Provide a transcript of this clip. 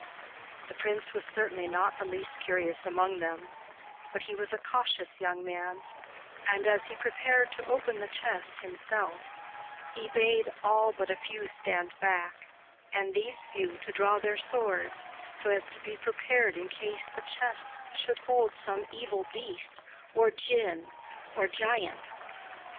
The prince was certainly not the least curious among them; but he was a cautious young man, and, as he prepared to open the chest himself, he bade all but a few stand back, and these few to draw their swords, so as to be prepared in case the chest should hold some evil beast, or djinn, or giant.